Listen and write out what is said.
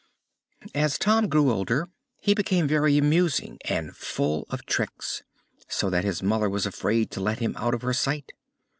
As Tom grew older, he became very amusing and full of tricks, so that his mother was afraid to let him out of her sight.